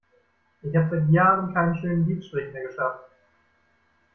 Ich hab seit Jahren keinen schönen Lidstrich mehr geschafft.